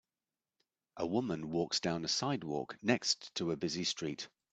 A woman walks down a sidewalk next to a busy street.